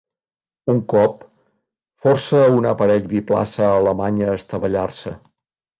Un cop, força a un aparell biplaça alemany a estavellar-se.